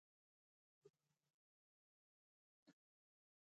غول د ژوند عادي تګ راتګ دی.